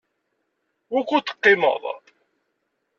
Wukud teqqimeḍ?